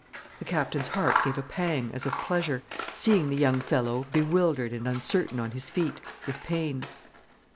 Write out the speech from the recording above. The Captain's heart gave a pang, as of pleasure, seeing the young fellow bewildered and uncertain on his feet, with pain.